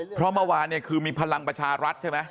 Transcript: เพราะเมื่อวานเนี่ยคือมีพลังประชารัฐใช่ไหม